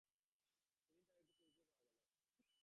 সেদিন তার একটু পরিচয় পাওয়া গেল।